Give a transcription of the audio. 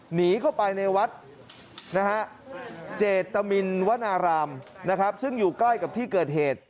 หนีเข้าไปในวัดนะฮะเจตมินวนารามนะครับซึ่งอยู่ใกล้กับที่เกิดเหตุ